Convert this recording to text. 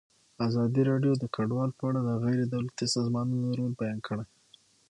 ازادي راډیو د کډوال په اړه د غیر دولتي سازمانونو رول بیان کړی.